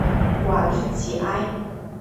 瓦利吉埃。